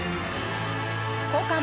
交換。